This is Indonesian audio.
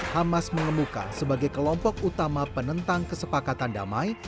hamas mengemuka sebagai kelompok utama penentang kesepakatan damai